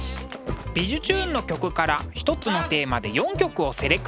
「びじゅチューン！」の曲から一つのテーマで４曲をセレクト。